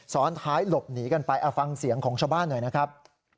ซ้อนท้ายหลบหนีกันไปเอาฟังเสียงของชาวบ้านหน่อยนะครับ